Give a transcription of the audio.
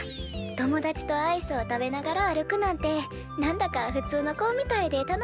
友達とアイスを食べながら歩くなんて何だかふつうの子ぉみたいで楽しかったわあ。